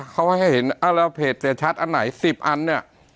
เขาให้เห็นแล้วเพจเสียชัดอันไหน๑๐อันเนี่ย